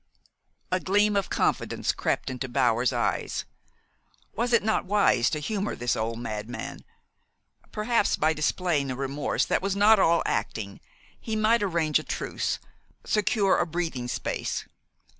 A gleam of confidence crept into Bower's eyes. Was it not wise to humor this old madman? Perhaps, by displaying a remorse that was not all acting, he might arrange a truce, secure a breathing space.